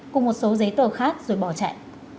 cùng một số giấy tờ khác rồi bỏ chạy